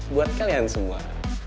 buat kalian semua